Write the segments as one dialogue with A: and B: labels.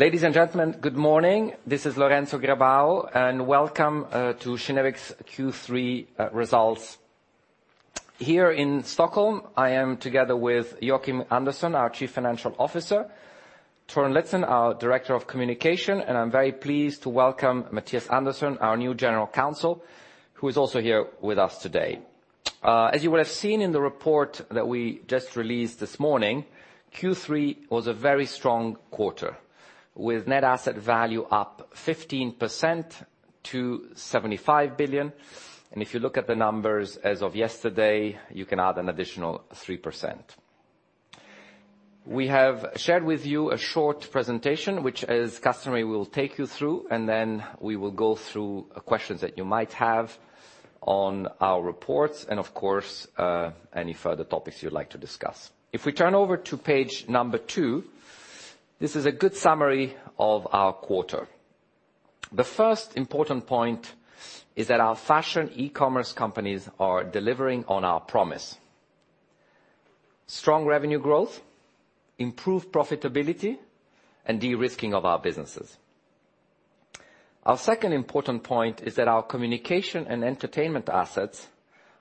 A: Ladies and gentlemen, good morning. This is Lorenzo Grabau, and welcome to Kinnevik's Q3 results. Here in Stockholm, I am together with Joakim Andersson, our Chief Financial Officer, Torun Litzén, our Director of Communication, and I'm very pleased to welcome Mattias Andersson, our new General Counsel, who is also here with us today. As you will have seen in the report that we just released this morning, Q3 was a very strong quarter, with net asset value up 15% to 75 billion. If you look at the numbers as of yesterday, you can add an additional 3%. We have shared with you a short presentation, which as customary, we'll take you through, then we will go through questions that you might have on our reports and of course, any further topics you'd like to discuss. If we turn over to page number two, this is a good summary of our quarter. The first important point is that our fashion e-commerce companies are delivering on our promise. Strong revenue growth, improved profitability, and de-risking of our businesses. Our second important point is that our communication and entertainment assets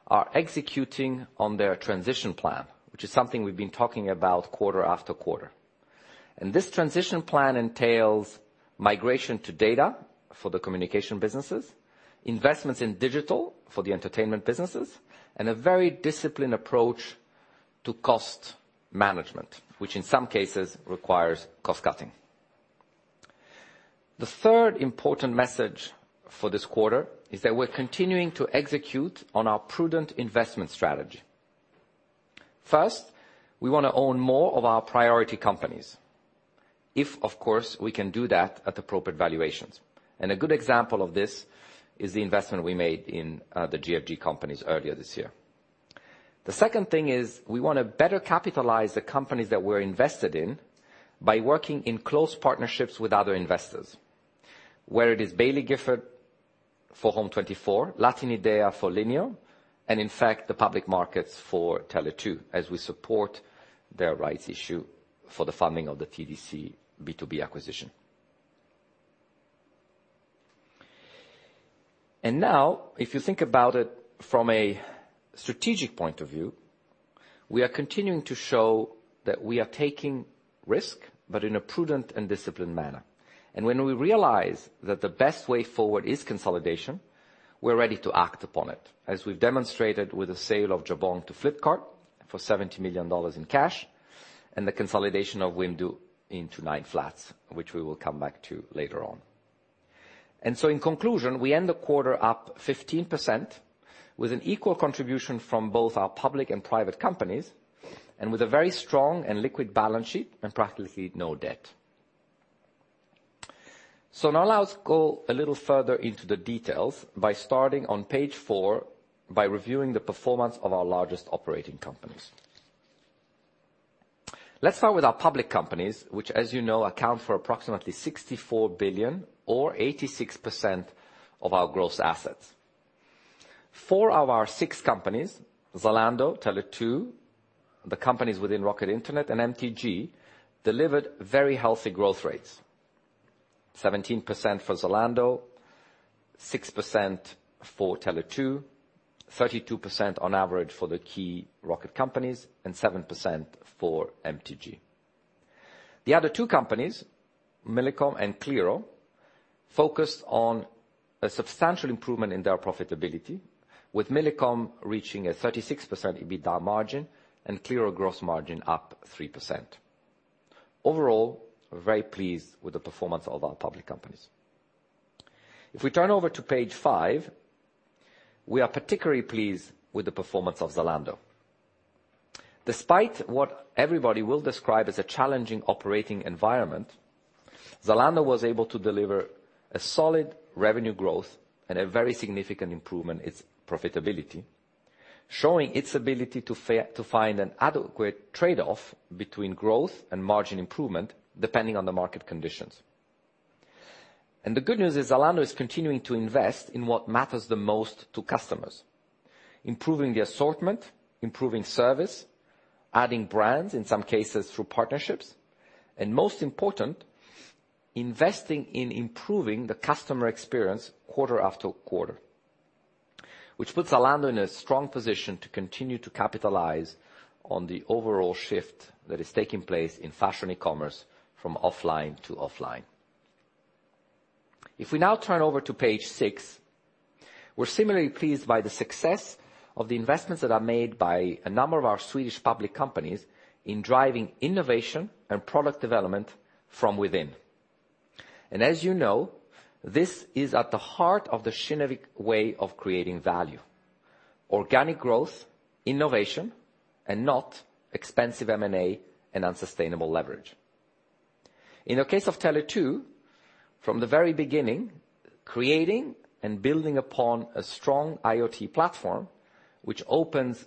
A: are executing on their transition plan, which is something we've been talking about quarter after quarter. This transition plan entails migration to data for the communication businesses, investments in digital for the entertainment businesses, and a very disciplined approach to cost management, which in some cases requires cost-cutting. The third important message for this quarter is that we're continuing to execute on our prudent investment strategy. First, we want to own more of our priority companies, if of course, we can do that at appropriate valuations. A good example of this is the investment we made in the GFG companies earlier this year. The second thing is we want to better capitalize the companies that we're invested in by working in close partnerships with other investors. Where it is Baillie Gifford for Home24, Latin Idea for Linio, and in fact, the public markets for Tele2, as we support their rights issue for the funding of the TDC B2B acquisition. Now, if you think about it from a strategic point of view, we are continuing to show that we are taking risk, but in a prudent and disciplined manner. When we realize that the best way forward is consolidation, we're ready to act upon it, as we've demonstrated with the sale of Jabong to Flipkart for $70 million in cash, and the consolidation of Wimdu into 9flats, which we will come back to later on. In conclusion, we end the quarter up 15% with an equal contribution from both our public and private companies, and with a very strong and liquid balance sheet and practically no debt. Now let's go a little further into the details by starting on page four by reviewing the performance of our largest operating companies. Let's start with our public companies, which as you know, account for approximately 64 billion or 86% of our gross assets. Four of our six companies, Zalando, Tele2, the companies within Rocket Internet, and MTG, delivered very healthy growth rates. 17% for Zalando, 6% for Tele2, 32% on average for the key Rocket companies, and 7% for MTG. The other two companies, Millicom and Qliro, focused on a substantial improvement in their profitability, with Millicom reaching a 36% EBITDA margin and Qliro gross margin up 3%. Overall, we're very pleased with the performance of our public companies. If we turn over to page five, we are particularly pleased with the performance of Zalando. Despite what everybody will describe as a challenging operating environment, Zalando was able to deliver a solid revenue growth and a very significant improvement in its profitability, showing its ability to find an adequate trade-off between growth and margin improvement depending on the market conditions. The good news is Zalando is continuing to invest in what matters the most to customers: improving the assortment, improving service, adding brands, in some cases through partnerships, and most important, investing in improving the customer experience quarter after quarter. Which puts Zalando in a strong position to continue to capitalize on the overall shift that is taking place in fashion e-commerce from offline to online. If we now turn over to page six, we're similarly pleased by the success of the investments that are made by a number of our Swedish public companies in driving innovation and product development from within. As you know, this is at the heart of the Kinnevik way of creating value. Organic growth, innovation, and not expensive M&A and unsustainable leverage. In the case of Tele2, from the very beginning, creating and building upon a strong IoT platform, which opens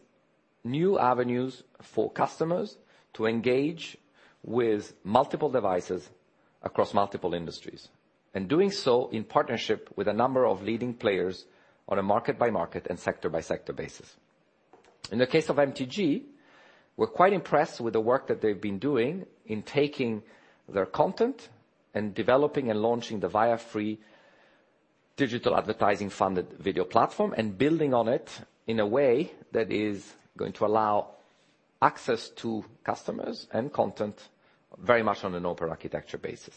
A: new avenues for customers to engage with multiple devices across multiple industries. Doing so in partnership with a number of leading players on a market-by-market and sector-by-sector basis. In the case of MTG, we're quite impressed with the work that they've been doing in taking their content and developing and launching the Viafree digital advertising-funded video platform, and building on it in a way that is going to allow access to customers and content very much on an open architecture basis.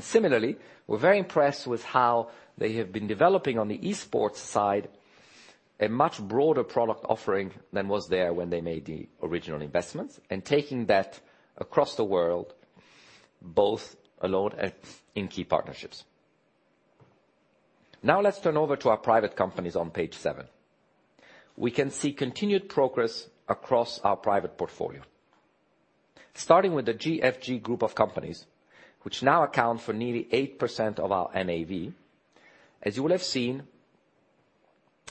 A: Similarly, we're very impressed with how they have been developing on the esports side, a much broader product offering than was there when they made the original investments, and taking that across the world, both alone and in key partnerships. Let's turn over to our private companies on page seven. We can see continued progress across our private portfolio. Starting with the GFG group of companies, which now account for nearly 8% of our NAV. You will have seen,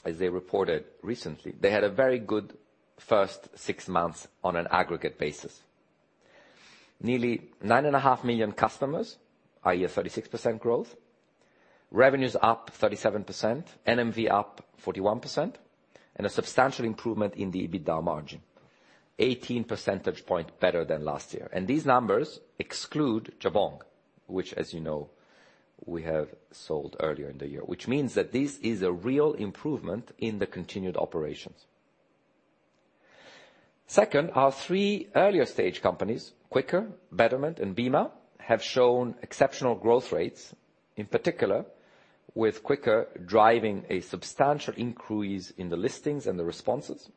A: as they reported recently, they had a very good first six months on an aggregate basis. Nearly 9.5 million customers, i.e., 36% growth. Revenues up 37%, NMV up 41%, and a substantial improvement in the EBITDA margin, 18 percentage point better than last year. These numbers exclude Jabong, which, as you know, we have sold earlier in the year, which means that this is a real improvement in the continued operations. Second, our 3 earlier stage companies, Quikr, Betterment, and BIMA, have shown exceptional growth rates, in particular with Quikr driving a substantial increase in the listings and the responses.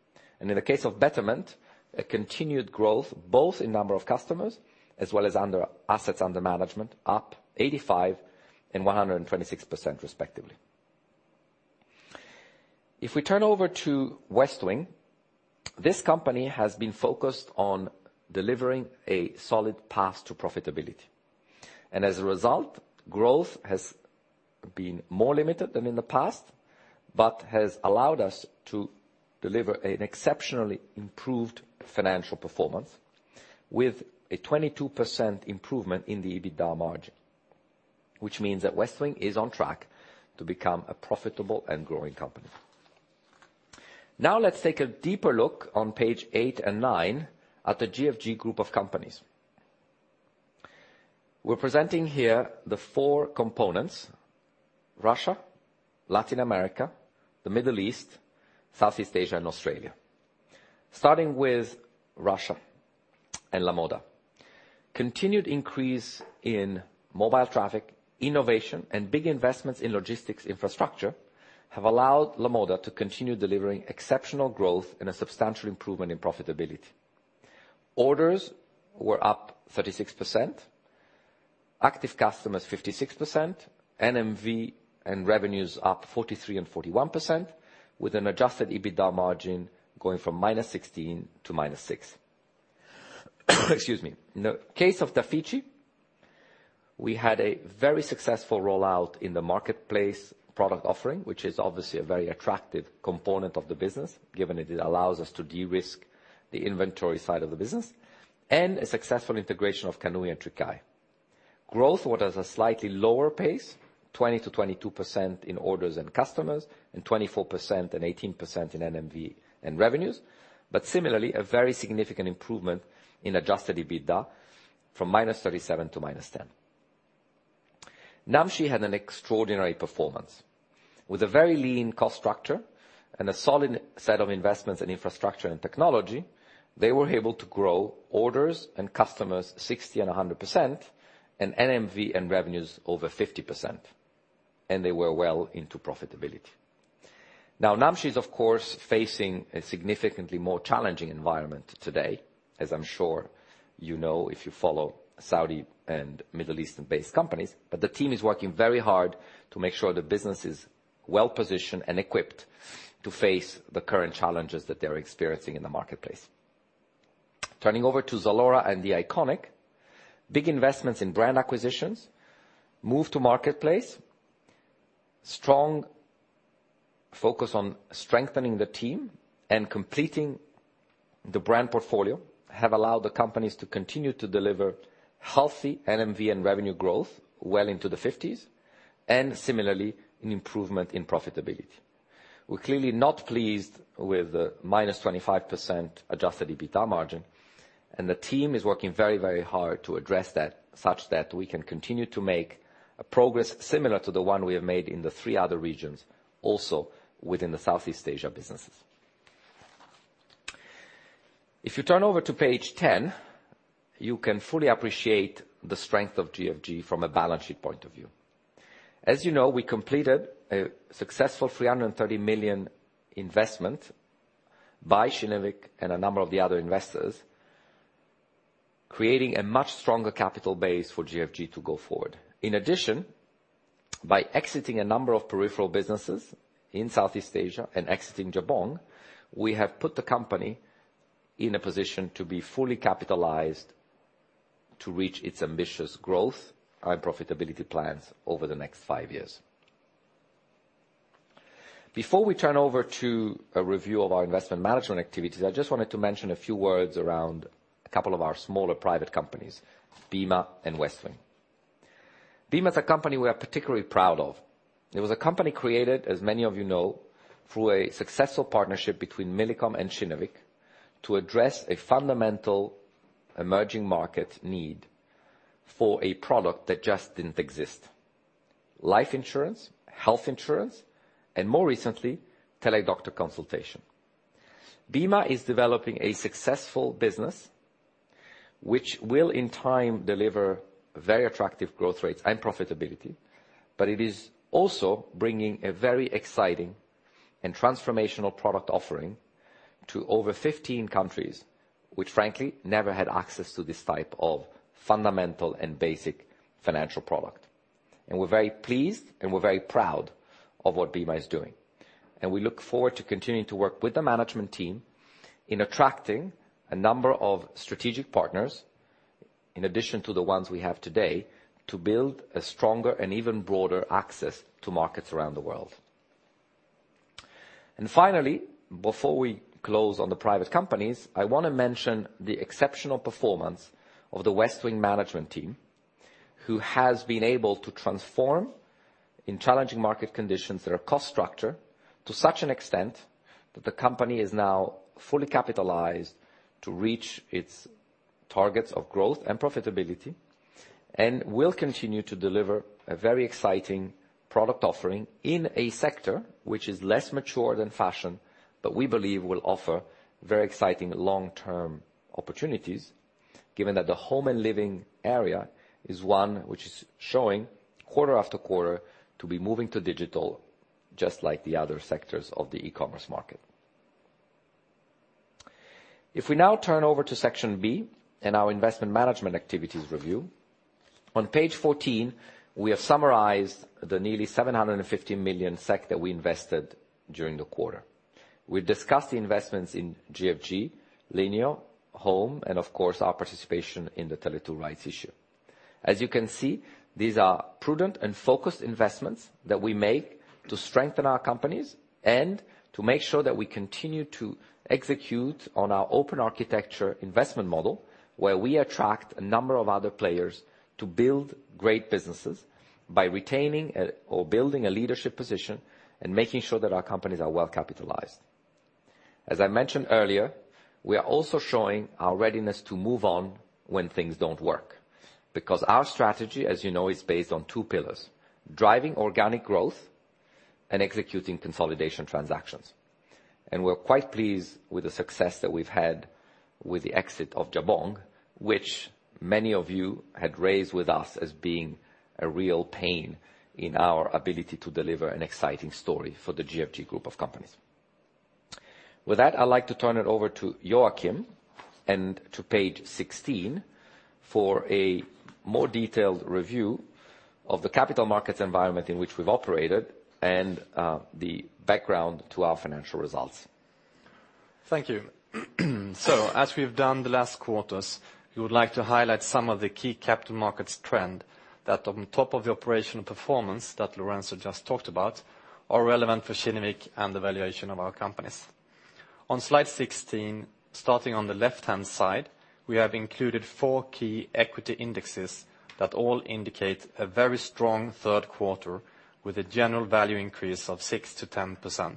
A: In the case of Betterment, a continued growth both in number of customers as well as under assets under management, up 85% and 126%, respectively. If we turn over to Westwing, this company has been focused on delivering a solid path to profitability. As a result, growth has been more limited than in the past, but has allowed us to deliver an exceptionally improved financial performance with a 22% improvement in the EBITDA margin, which means that Westwing is on track to become a profitable and growing company. Let's take a deeper look on page eight and nine at the GFG group of companies. We're presenting here the four components, Russia, Latin America, the Middle East, Southeast Asia and Australia. Starting with Russia and Lamoda. Continued increase in mobile traffic, innovation, and big investments in logistics infrastructure have allowed Lamoda to continue delivering exceptional growth and a substantial improvement in profitability. Orders were up 36%, active customers 56%, NMV and revenues up 43% and 41%, with an adjusted EBITDA margin going from minus 16% to minus 6%. Excuse me. In the case of Dafiti, we had a very successful rollout in the marketplace product offering, which is obviously a very attractive component of the business, given it allows us to de-risk the inventory side of the business, and a successful integration of Kanui and Tricae. Growth orders a slightly lower pace, 20%-22% in orders and customers, and 24% and 18% in NMV and revenues. Similarly, a very significant improvement in adjusted EBITDA from minus 37% to minus 10%. Namshi had an extraordinary performance. With a very lean cost structure and a solid set of investments in infrastructure and technology, they were able to grow orders and customers 60% and 100%, and NMV and revenues over 50%, and they were well into profitability. Namshi is, of course, facing a significantly more challenging environment today, as I'm sure you know if you follow Saudi and Middle Eastern-based companies. The team is working very hard to make sure the business is well-positioned and equipped to face the current challenges that they're experiencing in the marketplace. Turning over to ZALORA and THE ICONIC, big investments in brand acquisitions, move to marketplace, strong focus on strengthening the team, and completing the brand portfolio have allowed the companies to continue to deliver healthy NMV and revenue growth well into the 50s, and similarly, an improvement in profitability. We're clearly not pleased with the minus 25% adjusted EBITDA margin. The team is working very hard to address that such that we can continue to make a progress similar to the one we have made in the three other regions, also within the Southeast Asia businesses. If you turn over to page 10, you can fully appreciate the strength of GFG from a balance sheet point of view. As you know, we completed a successful 330 million investment by Kinnevik and a number of the other investors, creating a much stronger capital base for GFG to go forward. In addition, by exiting a number of peripheral businesses in Southeast Asia and exiting Jabong, we have put the company in a position to be fully capitalized to reach its ambitious growth and profitability plans over the next five years. Before we turn over to a review of our investment management activities, I just wanted to mention a few words around a couple of our smaller private companies, BIMA and Westwing. BIMA is a company we are particularly proud of. It was a company created, as many of you know, through a successful partnership between Millicom and Kinnevik to address a fundamental emerging market need for a product that just didn't exist, life insurance, health insurance, and more recently, teledoctor consultation. BIMA is developing a successful business, which will, in time, deliver very attractive growth rates and profitability. It is also bringing a very exciting and transformational product offering to over 15 countries, which frankly never had access to this type of fundamental and basic financial product. We're very pleased, and we're very proud of what BIMA is doing. We look forward to continuing to work with the management team in attracting a number of strategic partners, in addition to the ones we have today, to build a stronger and even broader access to markets around the world. Finally, before we close on the private companies, I want to mention the exceptional performance of the Westwing management team, who has been able to transform, in challenging market conditions that are cost-structured, to such an extent that the company is now fully capitalized to reach its targets of growth and profitability. Will continue to deliver a very exciting product offering in a sector which is less mature than fashion, but we believe will offer very exciting long-term opportunities, given that the home and living area is one which is showing quarter after quarter to be moving to digital, just like the other sectors of the e-commerce market. If we now turn over to Section B in our investment management activities review. On Page 14, we have summarized the nearly 750 million SEK that we invested during the quarter. We've discussed the investments in GFG, Linio, home24, and of course, our participation in the Tele2 rights issue. As you can see, these are prudent and focused investments that we make to strengthen our companies and to make sure that we continue to execute on our open architecture investment model, where we attract a number of other players to build great businesses by retaining or building a leadership position and making sure that our companies are well-capitalized. As I mentioned earlier, we are also showing our readiness to move on when things don't work, because our strategy, as you know, is based on two pillars, driving organic growth and executing consolidation transactions. We're quite pleased with the success that we've had with the exit of Jabong, which many of you had raised with us as being a real pain in our ability to deliver an exciting story for the GFG group of companies. With that, I'd like to turn it over to Joakim and to Page 16 for a more detailed review of the capital markets environment in which we've operated and the background to our financial results.
B: Thank you. As we've done the last quarters, we would like to highlight some of the key capital markets trend that on top of the operational performance that Lorenzo just talked about, are relevant for Kinnevik and the valuation of our companies. On Slide 16, starting on the left-hand side, we have included four key equity indexes that all indicate a very strong third quarter with a general value increase of 6%-10%.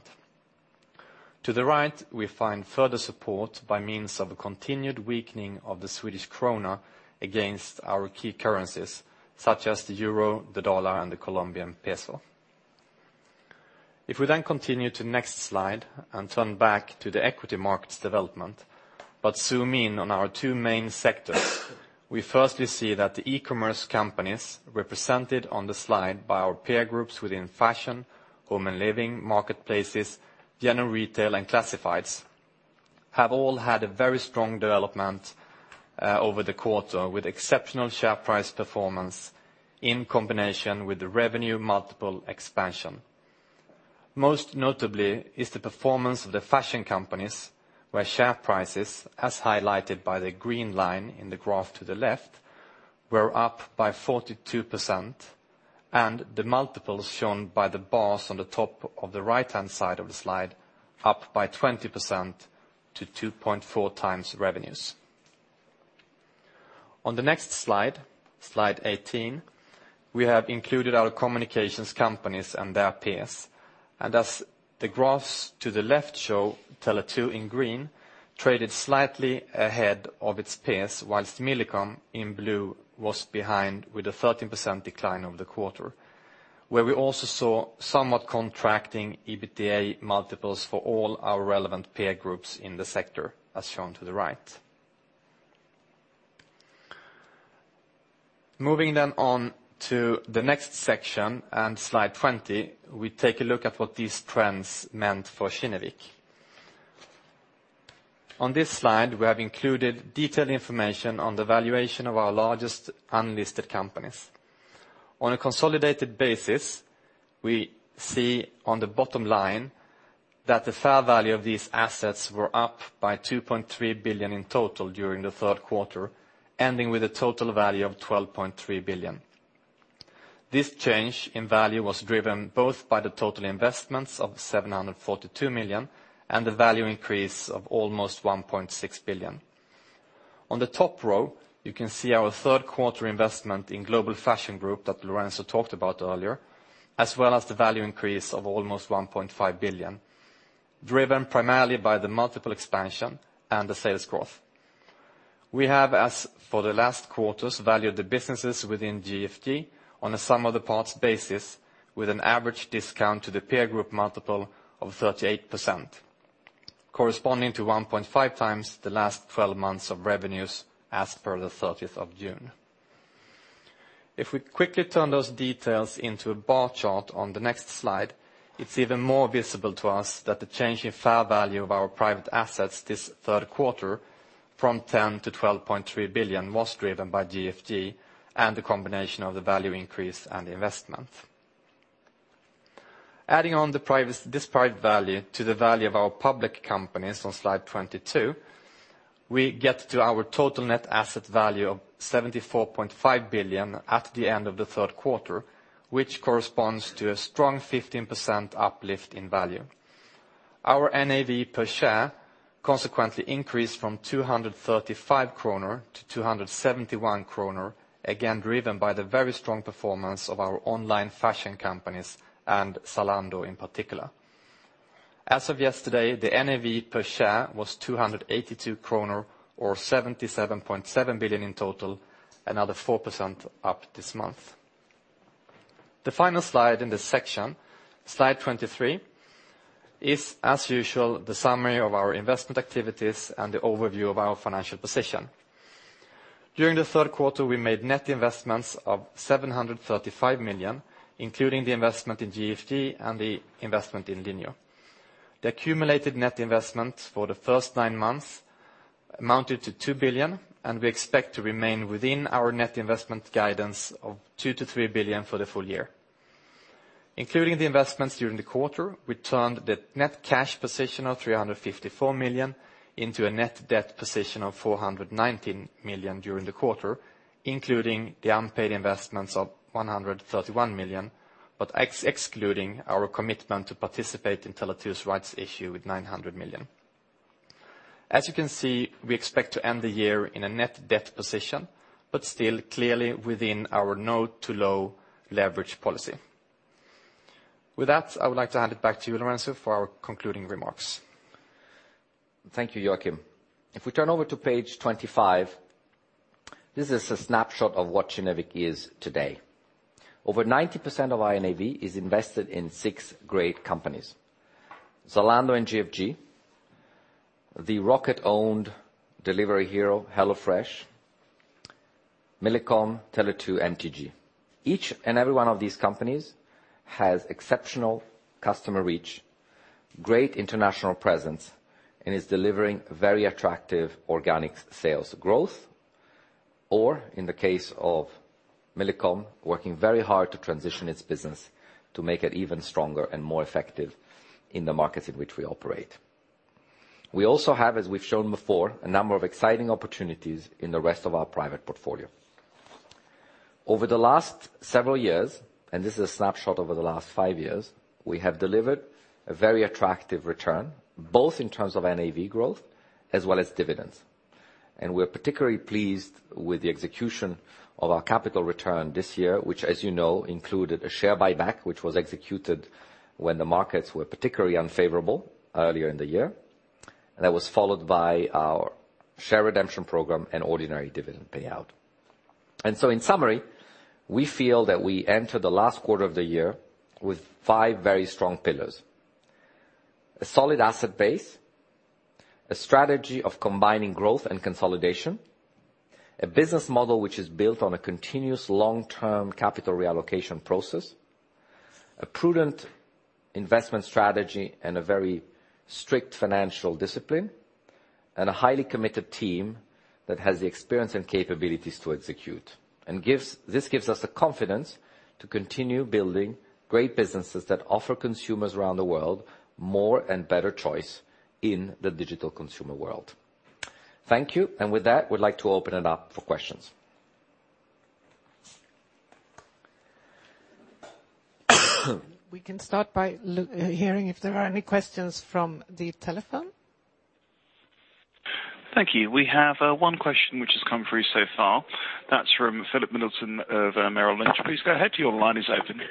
B: To the right, we find further support by means of a continued weakening of the Swedish krona against our key currencies, such as the euro, the dollar, and the Colombian peso. We continue to next slide and turn back to the equity markets development, zoom in on our two main sectors, we firstly see that the e-commerce companies represented on the slide by our peer groups within fashion, home and living, marketplaces, general retail, and classifieds, have all had a very strong development over the quarter, with exceptional share price performance in combination with the revenue multiple expansion. Most notably is the performance of the fashion companies, where share prices, as highlighted by the green line in the graph to the left, were up by 42%, and the multiples shown by the bars on the top of the right-hand side of the slide, up by 20% to 2.4x revenues. On the next slide, Slide 18, we have included our communications companies and their peers. As the graphs to the left show, Tele2 in green, traded slightly ahead of its peers, whilst Millicom, in blue, was behind with a 13% decline over the quarter, where we also saw somewhat contracting EBITDA multiples for all our relevant peer groups in the sector, as shown to the right. Moving on to the next section and Slide 20, we take a look at what these trends meant for Kinnevik. On this slide, we have included detailed information on the valuation of our largest unlisted companies. On a consolidated basis, we see on the bottom line that the fair value of these assets were up by 2.3 billion in total during the third quarter, ending with a total value of 12.3 billion. This change in value was driven both by the total investments of 742 million and the value increase of almost 1.6 billion. On the top row, you can see our third quarter investment in Global Fashion Group that Lorenzo talked about earlier, as well as the value increase of almost 1.5 billion, driven primarily by the multiple expansion and the sales growth. We have, as for the last quarters, valued the businesses within GFG on a sum of the parts basis with an average discount to the peer group multiple of 38%, corresponding to 1.5x the last 12 months of revenues as per the 30th of June. We quickly turn those details into a bar chart on the next slide, it's even more visible to us that the change in fair value of our private assets this third quarter from 10 billion to 12.3 billion was driven by GFG and the combination of the value increase and the investment. Adding on this private value to the value of our public companies on slide 22, we get to our total net asset value of 74.5 billion at the end of the third quarter, which corresponds to a strong 15% uplift in value. Our NAV per share consequently increased from 235 kronor to 271 kronor, again, driven by the very strong performance of our online fashion companies and Zalando in particular. As of yesterday, the NAV per share was 282 kronor, or 77.7 billion in total, another 4% up this month. The final slide in this section, slide 23, is, as usual, the summary of our investment activities and the overview of our financial position. During the third quarter, we made net investments of 735 million, including the investment in GFG and the investment in Linio. The accumulated net investment for the first nine months amounted to 2 billion. We expect to remain within our net investment guidance of 2 billion-3 billion for the full year. Including the investments during the quarter, we turned the net cash position of 354 million into a net debt position of 419 million during the quarter, including the unpaid investments of 131 million, but excluding our commitment to participate in Tele2's rights issue with 900 million. As you can see, we expect to end the year in a net debt position, but still clearly within our no to low leverage policy. With that, I would like to hand it back to you, Lorenzo, for our concluding remarks.
A: Thank you, Joakim. If we turn over to page 25, this is a snapshot of what Kinnevik is today. Over 90% of our NAV is invested in six great companies, Zalando and GFG, the Rocket-owned Delivery Hero, HelloFresh, Millicom, Tele2, MTG. Each and every one of these companies has exceptional customer reach, great international presence, and is delivering very attractive organic sales growth. Or in the case of Millicom, working very hard to transition its business to make it even stronger and more effective in the markets in which we operate. We also have, as we've shown before, a number of exciting opportunities in the rest of our private portfolio. Over the last several years, this is a snapshot over the last five years, we have delivered a very attractive return, both in terms of NAV growth as well as dividends. We're particularly pleased with the execution of our capital return this year, which, as you know, included a share buyback, which was executed when the markets were particularly unfavorable earlier in the year. That was followed by our share redemption program and ordinary dividend payout. In summary, we feel that we enter the last quarter of the year with five very strong pillars. A solid asset base, a strategy of combining growth and consolidation, a business model which is built on a continuous long-term capital reallocation process, a prudent investment strategy and a very strict financial discipline, and a highly committed team that has the experience and capabilities to execute. This gives us the confidence to continue building great businesses that offer consumers around the world more and better choice in the digital consumer world. Thank you. With that, we'd like to open it up for questions.
C: We can start by hearing if there are any questions from the telephone.
D: Thank you. We have one question which has come through so far. That's from Philip Middleton of Merrill Lynch. Please go ahead. Your line is open.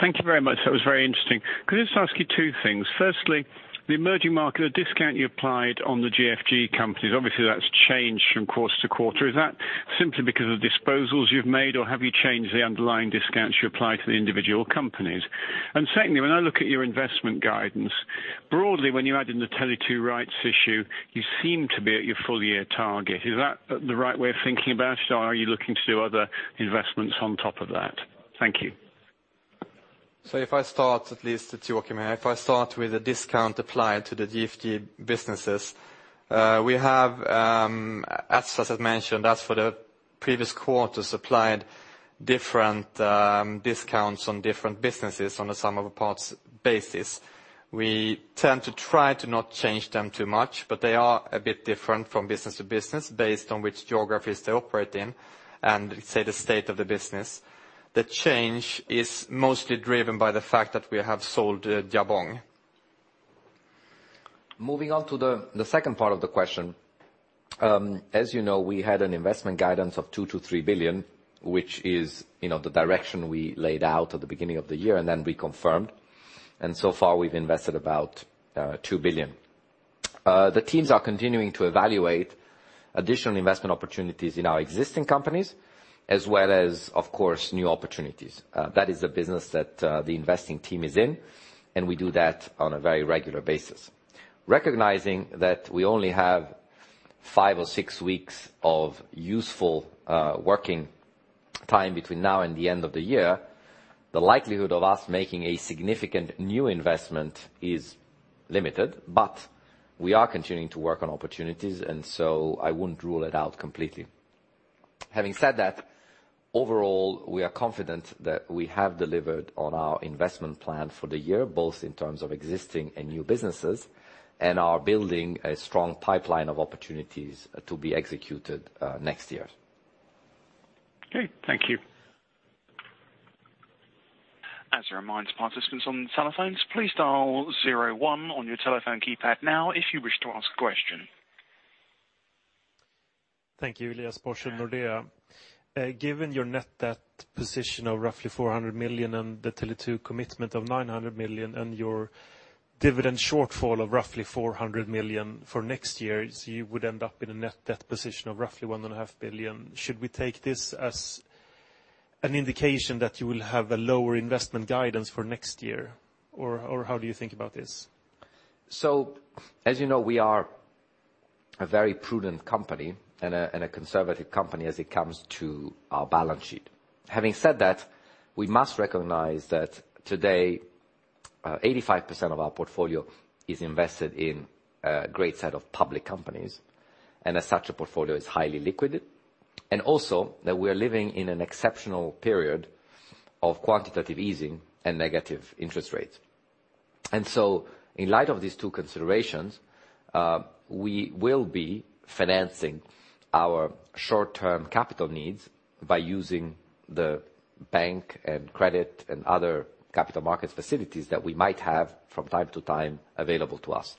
E: Thank you very much. That was very interesting. Could I just ask you two things? Firstly, the emerging market, the discount you applied on the GFG companies, obviously, that's changed from quarter to quarter. Is that simply because of disposals you've made, or have you changed the underlying discounts you apply to the individual companies? Secondly, when I look at your investment guidance, broadly, when you add in the Tele2 rights issue, you seem to be at your full year target. Is that the right way of thinking about it, or are you looking to do other investments on top of that? Thank you.
B: If I start at least, it's Joakim here. If I start with the discount applied to the GFG businesses, we have, as I mentioned, as for the previous quarters, applied different discounts on different businesses on a sum of the parts basis. We tend to try to not change them too much, but they are a bit different from business to business based on which geographies they operate in and, say, the state of the business. The change is mostly driven by the fact that we have sold Jabong
A: Moving on to the second part of the question. As you know, we had an investment guidance of 2 billion-3 billion, which is the direction we laid out at the beginning of the year and then we confirmed, and so far we've invested about 2 billion. The teams are continuing to evaluate additional investment opportunities in our existing companies as well as, of course, new opportunities. That is the business that the investing team is in, and we do that on a very regular basis. Recognizing that we only have five or six weeks of useful working time between now and the end of the year, the likelihood of us making a significant new investment is limited, but we are continuing to work on opportunities. I wouldn't rule it out completely. Having said that, overall, we are confident that we have delivered on our investment plan for the year, both in terms of existing and new businesses, and are building a strong pipeline of opportunities to be executed next year.
E: Okay, thank you.
D: As a reminder to participants on the telephones, please dial 01 on your telephone keypad now if you wish to ask a question.
F: Thank you. Elias Borchsen, Nordea. Given your net debt position of roughly 400 million and the Tele2 commitment of 900 million and your dividend shortfall of roughly 400 million for next year, you would end up in a net debt position of roughly 1.5 billion. Should we take this as an indication that you will have a lower investment guidance for next year? How do you think about this?
A: As you know, we are a very prudent company and a conservative company as it comes to our balance sheet. Having said that, we must recognize that today, 85% of our portfolio is invested in a great set of public companies, and as such a portfolio is highly liquid, and also that we are living in an exceptional period of quantitative easing and negative interest rates. In light of these two considerations, we will be financing our short-term capital needs by using the bank and credit and other capital markets facilities that we might have from time to time available to us.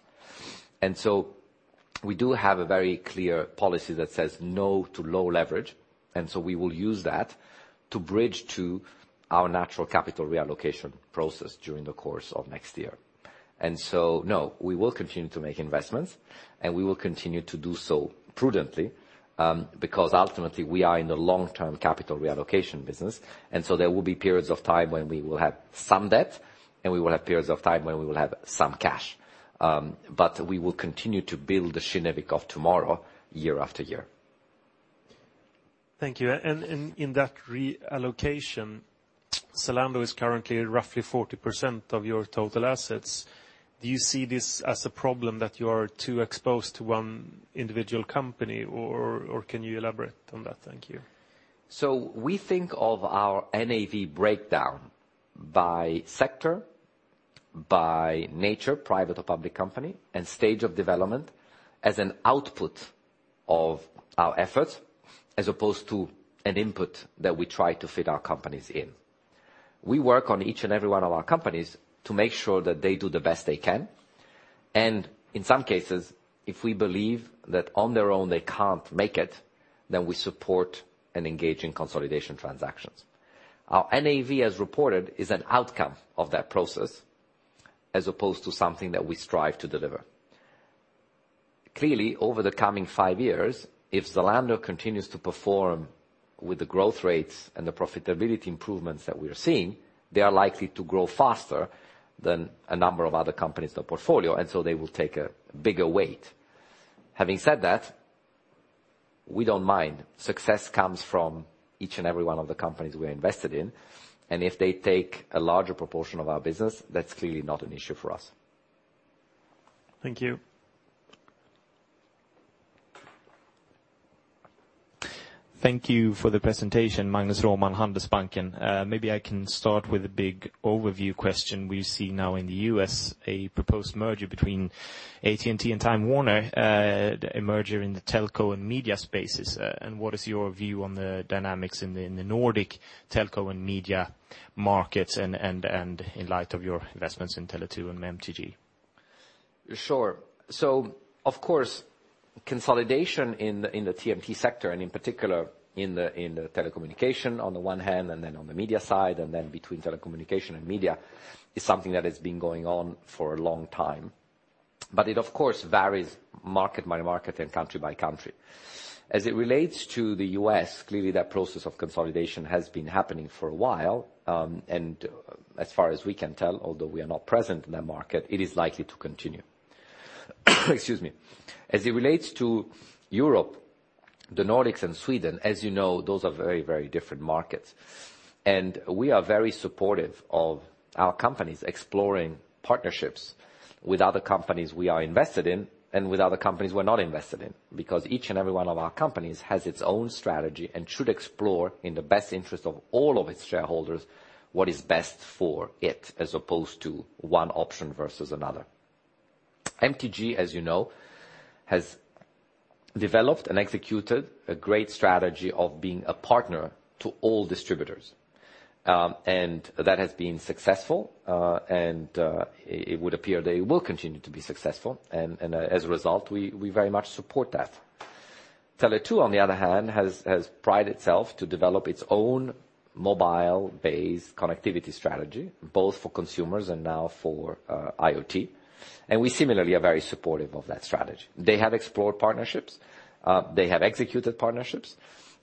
A: We do have a very clear policy that says no to low leverage, and so we will use that to bridge to our natural capital reallocation process during the course of next year. No, we will continue to make investments, and we will continue to do so prudently, because ultimately we are in the long-term capital reallocation business. There will be periods of time when we will have some debt, and we will have periods of time when we will have some cash. We will continue to build the Kinnevik of tomorrow year after year.
F: Thank you. In that reallocation, Zalando is currently roughly 40% of your total assets. Do you see this as a problem that you are too exposed to one individual company, or can you elaborate on that? Thank you.
A: We think of our NAV breakdown by sector, by nature, private or public company, and stage of development as an output of our efforts as opposed to an input that we try to fit our companies in. We work on each and every one of our companies to make sure that they do the best they can. In some cases, if we believe that on their own they can't make it, then we support and engage in consolidation transactions. Our NAV as reported is an outcome of that process as opposed to something that we strive to deliver. Clearly, over the coming five years, if Zalando continues to perform with the growth rates and the profitability improvements that we're seeing, they are likely to grow faster than a number of other companies in the portfolio, and so they will take a bigger weight. Having said that, we don't mind. Success comes from each and every one of the companies we are invested in, and if they take a larger proportion of our business, that's clearly not an issue for us.
F: Thank you.
G: Thank you for the presentation. Magnus Råman, Handelsbanken. Maybe I can start with a big overview question. We see now in the U.S. a proposed merger between AT&T and Time Warner, a merger in the telco and media spaces. What is your view on the dynamics in the Nordic telco and media markets in light of your investments in Tele2 and MTG?
A: Sure. Of course, consolidation in the TMT sector, in particular in the telecommunication on the one hand, on the media side, between telecommunication and media, is something that has been going on for a long time, it of course varies market by market and country by country. As it relates to the U.S., clearly that process of consolidation has been happening for a while, as far as we can tell, although we are not present in that market, it is likely to continue. Excuse me. As it relates to Europe, the Nordics and Sweden, as you know, those are very, very different markets, we are very supportive of our companies exploring partnerships with other companies we are invested in with other companies we're not invested in, because each and every one of our companies has its own strategy should explore in the best interest of all of its shareholders what is best for it as opposed to one option versus another. MTG, as you know, has developed and executed a great strategy of being a partner to all distributors. That has been successful, it would appear they will continue to be successful. As a result, we very much support that. Tele2, on the other hand, has prided itself to develop its own mobile-based connectivity strategy, both for consumers and now for IoT. We similarly are very supportive of that strategy. They have explored partnerships, they have executed partnerships,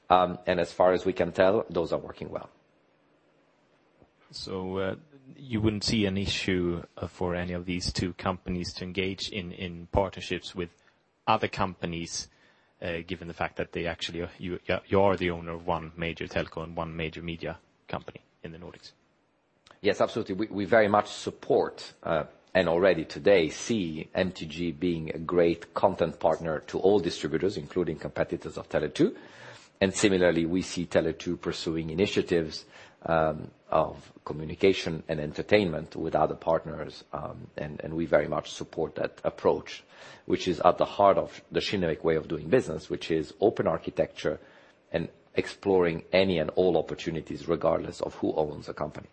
A: as far as we can tell, those are working well.
G: You wouldn't see an issue for any of these two companies to engage in partnerships with other companies, given the fact that you are the owner of one major telco and one major media company in the Nordics?
A: Yes, absolutely. We very much support, and already today see MTG being a great content partner to all distributors, including competitors of Tele2. Similarly, we see Tele2 pursuing initiatives of communication and entertainment with other partners, and we very much support that approach, which is at the heart of the Kinnevik way of doing business. Which is open architecture and exploring any and all opportunities, regardless of who owns a company.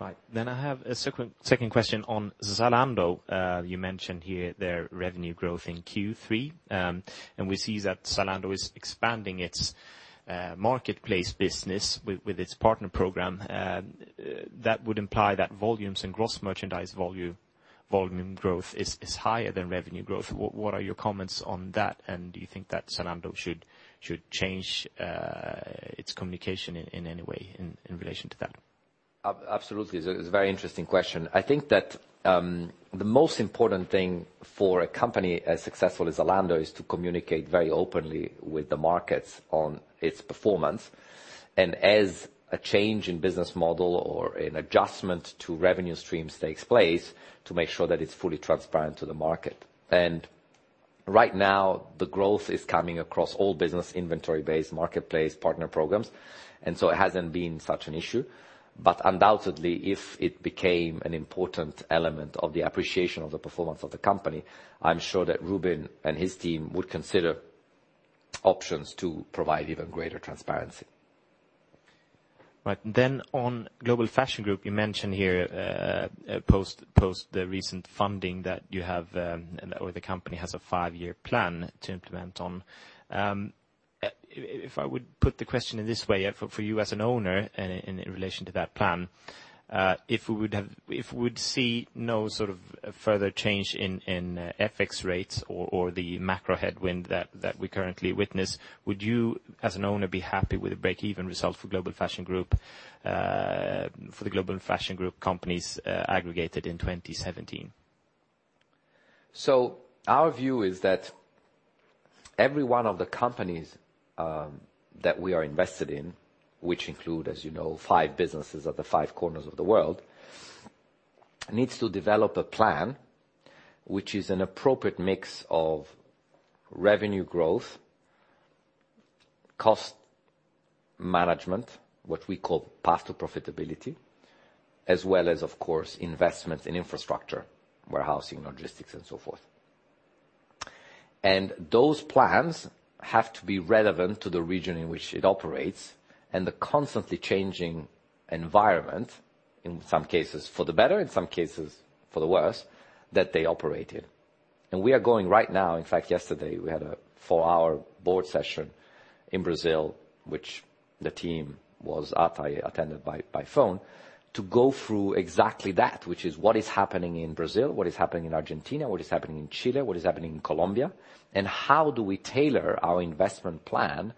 G: Right. I have a second question on Zalando. You mentioned here their revenue growth in Q3, and we see that Zalando is expanding its marketplace business with its partner program. That would imply that volumes and gross merchandise volume growth is higher than revenue growth. What are your comments on that? Do you think that Zalando should change its communication in any way in relation to that?
A: Absolutely. It's a very interesting question. I think that the most important thing for a company as successful as Zalando is to communicate very openly with the markets on its performance. As a change in business model or an adjustment to revenue streams takes place, to make sure that it's fully transparent to the market. Right now the growth is coming across all business inventory-based marketplace partner programs, it hasn't been such an issue. Undoubtedly, if it became an important element of the appreciation of the performance of the company, I'm sure that Rubin and his team would consider options to provide even greater transparency.
G: Right. On Global Fashion Group, you mentioned here post the recent funding that the company has a five-year plan to implement on. If I would put the question in this way for you as an owner in relation to that plan, if we'd see no sort of further change in FX rates or the macro headwind that we currently witness, would you, as an owner, be happy with a break-even result for Global Fashion Group companies aggregated in 2017?
A: Our view is that every one of the companies that we are invested in, which include, as you know, five businesses at the five corners of the world, needs to develop a plan which is an appropriate mix of revenue growth, cost management, what we call path to profitability, as well as, of course, investment in infrastructure, warehousing, logistics, and so forth. Those plans have to be relevant to the region in which it operates and the constantly changing environment, in some cases, for the better, in some cases, for the worse, that they operate in. We are going right now. In fact, yesterday, we had a four-hour board session in Brazil, which the team was at, I attended by phone, to go through exactly that. Which is what is happening in Brazil, what is happening in Argentina, what is happening in Chile, what is happening in Colombia, and how do we tailor our investment plan,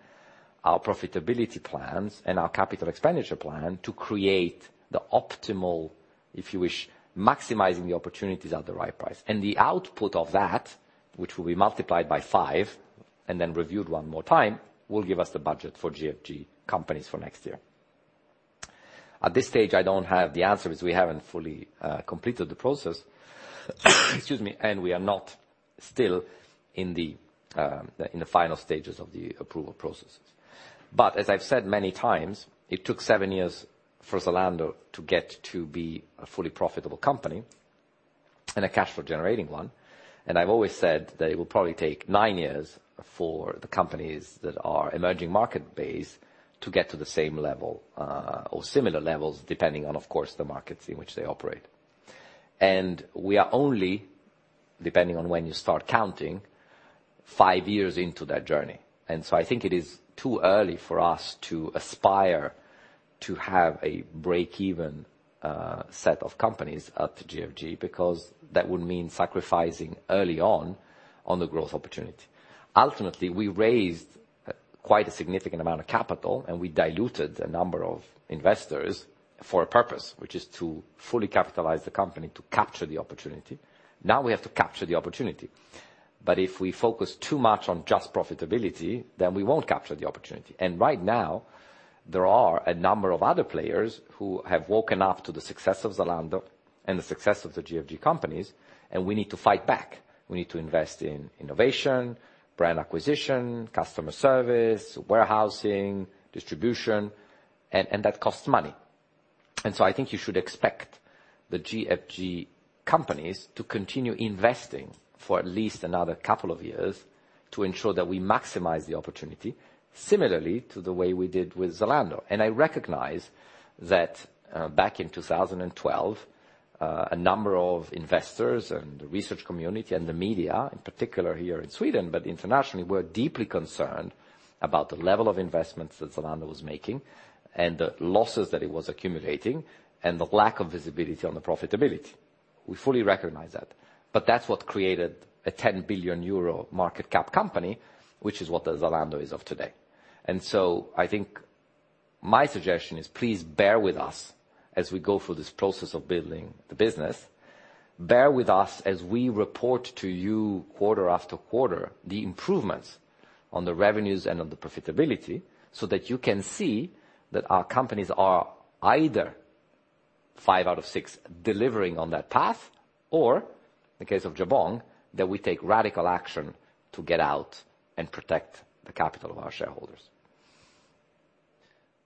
A: our profitability plans, and our capital expenditure plan to create the optimal, if you wish, maximizing the opportunities at the right price. The output of that, which will be multiplied by five and then reviewed one more time, will give us the budget for GFG companies for next year. At this stage, I don't have the answers. We haven't fully completed the process. Excuse me. We are not still in the final stages of the approval processes. As I've said many times, it took seven years for Zalando to get to be a fully profitable company and a cashflow-generating one, I've always said that it will probably take nine years for the companies that are emerging market base to get to the same level or similar levels, depending on, of course, the markets in which they operate. We are only, depending on when you start counting, five years into that journey. I think it is too early for us to aspire to have a break-even set of companies at GFG because that would mean sacrificing early on on the growth opportunity. Ultimately, we raised quite a significant amount of capital, and we diluted a number of investors for a purpose, which is to fully capitalize the company to capture the opportunity. Now we have to capture the opportunity. If we focus too much on just profitability, we won't capture the opportunity. Right now, there are a number of other players who have woken up to the success of Zalando and the success of the GFG companies, we need to fight back. We need to invest in innovation, brand acquisition, customer service, warehousing, distribution, and that costs money. I think you should expect the GFG companies to continue investing for at least another couple of years to ensure that we maximize the opportunity similarly to the way we did with Zalando. I recognize that back in 2012, a number of investors and the research community and the media, in particular here in Sweden, but internationally, were deeply concerned about the level of investments that Zalando was making and the losses that it was accumulating, and the lack of visibility on the profitability. We fully recognize that. That's what created a 10 billion euro market cap company, which is what the Zalando is of today. I think my suggestion is please bear with us as we go through this process of building the business. Bear with us as we report to you quarter after quarter the improvements on the revenues and on the profitability, so that you can see that our companies are either five out of six delivering on that path, or in the case of Jabong, that we take radical action to get out and protect the capital of our shareholders.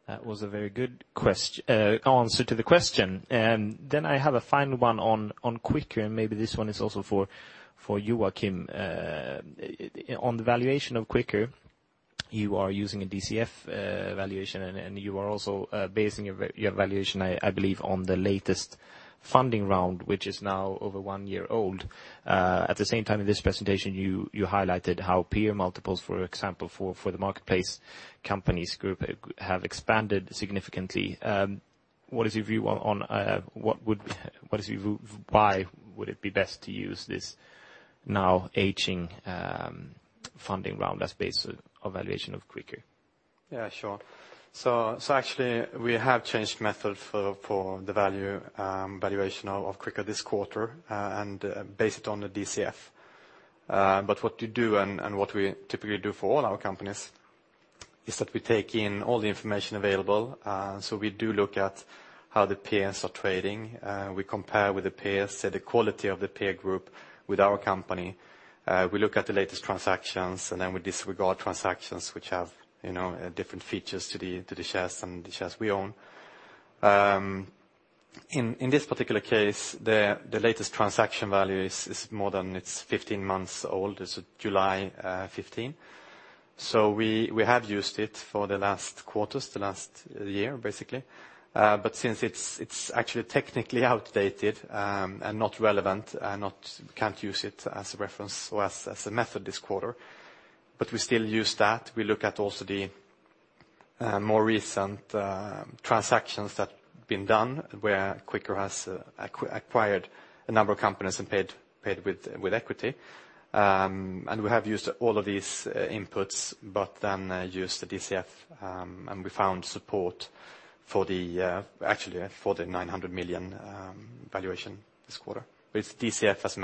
G: That was a very good answer to the question. I have a final one on Quikr, and maybe this one is also for you, Joakim. On the valuation of Quikr, you are using a DCF valuation, and you are also basing your valuation, I believe, on the latest funding round, which is now over one year old. At the same time, in this presentation, you highlighted how peer multiples, for example, for the marketplace companies group, have expanded significantly. Why would it be best to use this now aging funding round as base valuation of Quikr?
B: Yeah, sure. Actually, we have changed method for the valuation of Quikr this quarter, and based it on the DCF. What you do and what we typically do for all our companies is that we take in all the information available. We do look at how the peers are trading. We compare with the peers, say, the quality of the peer group with our company. We look at the latest transactions, and we disregard transactions which have different features to the shares and the shares we own. In this particular case, the latest transaction value is more than 15 months old, as of July 2015. We have used it for the last quarters, the last year, basically. Since it's actually technically outdated and not relevant, can't use it as a reference or as a method this quarter. We still use that. We look at also the more recent transactions that have been done, where Quikr has acquired a number of companies and paid with equity. We have used all of these inputs, but then used the DCF, and we found support, actually, for the 900 million valuation this quarter with DCF as method.